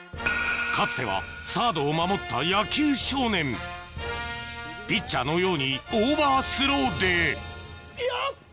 かつてはサードを守った野球少年ピッチャーのようにオーバースローでよっ！